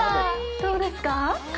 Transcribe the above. どうですか？